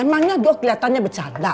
emangnya gue keliatannya bercanda